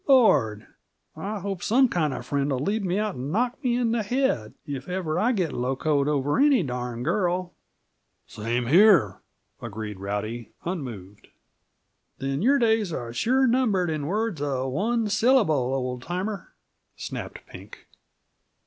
"Lord! I hope some kind friend'll lead me out an' knock me in the head, if ever I get locoed over any darned girl!" "Same here," agreed Rowdy, unmoved. "Then your days are sure numbered in words uh one syllable, old timer," snapped Pink.